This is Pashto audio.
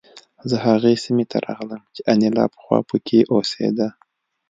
زه هغې سیمې ته راغلم چې انیلا پخوا پکې اوسېده